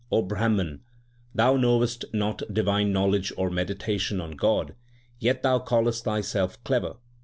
O Brahman, thou knowest not divine knowledge or meditation on God, yet thou callest thyself clever.